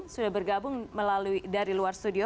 sudah bergabung dari luar studio